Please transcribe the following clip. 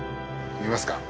見ますか？